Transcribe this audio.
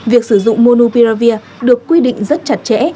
việc sử dụng monupiravir được quy định rất chặt chẽ